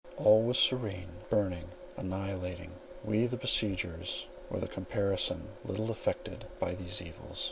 All was serene, burning, annihilating. We the besiegers were in the comparison little affected by these evils.